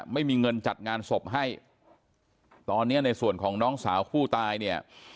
ไม่มีเงินจัดงานศพให้ตอนนี้ในส่วนของน้องสาวผู้ตายเนี่ย